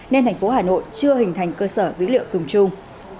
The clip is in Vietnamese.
nên tp hà nội chưa hình thành cơ sở dữ liệu dùng chung